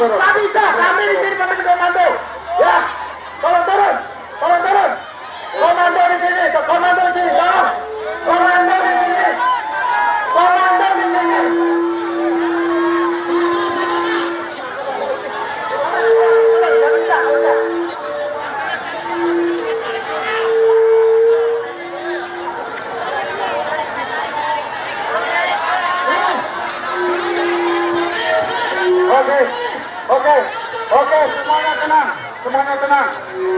oke oke oke semuanya tenang semuanya tenang